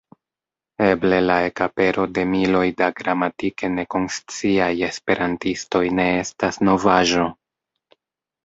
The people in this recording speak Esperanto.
Eble la ekapero de miloj da gramatike nekonsciaj esperantistoj ne estas novaĵo.